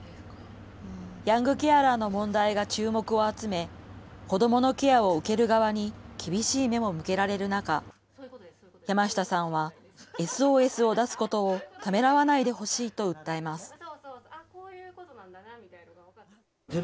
ヤングケアラーの問題が注目を集め、子どものケアを受ける側に厳しい目も向けられる中、山下さんはＳＯＳを出すことをためらわないでほしいと訴えます。